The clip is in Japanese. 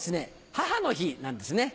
母の日なんですね。